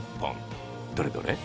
どれどれ？